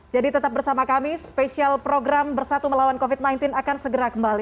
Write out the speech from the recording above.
jadi tetap bersama kami spesial program bersatu melawan covid sembilan belas akan segera kembali